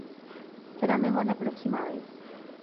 Será mejor la próxima vez"".